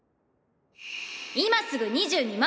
今すぐ２２万！